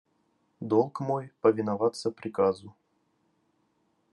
– Долг мой повиноваться приказу.